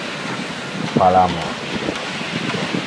Fala amodo